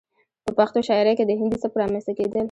،په پښتو شاعرۍ کې د هندي سبک رامنځته کېدل